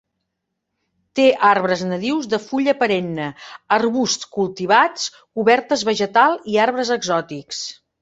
Té arbres nadius de fulla perenne, arbusts cultivats, cobertes vegetal i arbres exòtics.